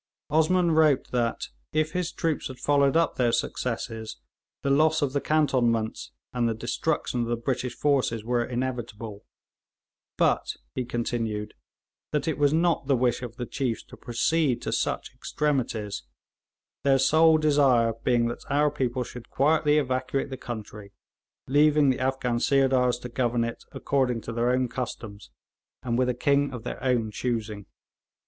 Osman wrote that, if his troops had followed up their successes, the loss of the cantonments and the destruction of the British force were inevitable; but, he continued, that it was not the wish of the chiefs to proceed to such extremities, their sole desire being that our people should quietly evacuate the country, leaving the Afghan sirdars to govern it according to their own customs, and with a king of their own choosing.